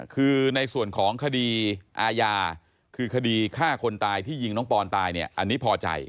คือในส่วนของคดีอาญาคือคดีฆ่าคนตายที่ยิงน้องปอนตายเนี่ยอันนี้พอใจ